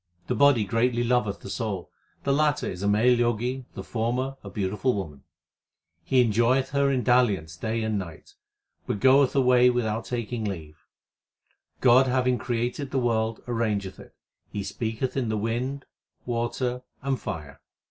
The body greatly loveth the soul ; The latter is a male Jogi, the former a beautiful woman. He enjoyeth her in dalliance day and night, but goeth away without taking leave. God having created the world arrangeth it ; He speaketh in the wind, water, and fire.